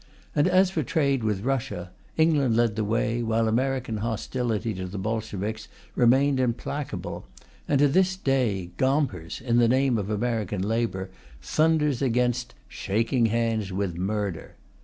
And as for trade with Russia, England led the way, while American hostility to the Bolsheviks remained implacable, and to this day Gompers, in the name of American labour, thunders against "shaking hands with murder."